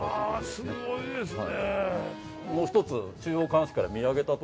すごいですね。